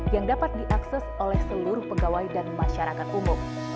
yang dapat diakses oleh seluruh pegawai dan masyarakat umum